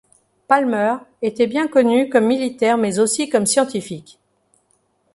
Palmer était bien connu comme militaire mais aussi comme scientifique.